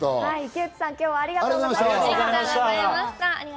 池内さん、今日はありがとうございました。